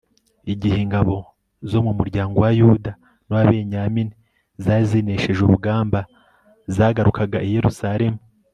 Igihe ingabo zo mu muryango wa Yuda nuwa Benyamini zari zinesheje urugamba zagarukaga i Yerusalemu